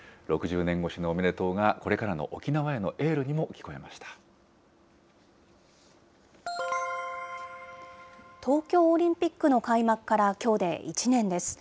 ６０年越しのおめでとうが、これからの沖縄へのエールにも聞東京オリンピックの開幕からきょうで１年です。